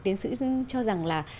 tiến sĩ cho rằng là